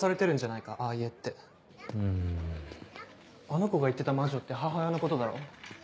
あの子が言ってた「魔女」って母親のことだろ。